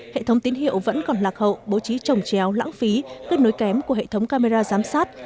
hệ thống tín hiệu vẫn còn lạc hậu bố trí trồng chéo lãng phí kết nối kém của hệ thống camera giám sát